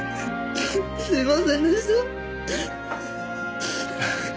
すいませんでした！